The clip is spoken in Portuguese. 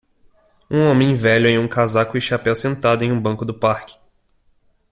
Um homem velho em um casaco e chapéu sentado em um banco do parque.